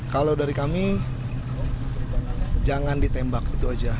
kalau dari kami jangan ditembak itu aja